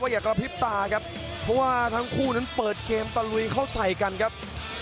อย่ากระพริบตาครับเพราะว่าทั้งคู่นั้นเปิดเกมตะลุยเข้าใส่กันครับ